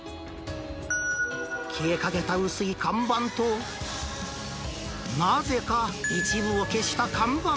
消えかけた薄い看板と、なぜか一部を消した看板。